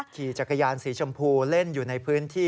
ขี่จักรยานสีชมพูเล่นอยู่ในพื้นที่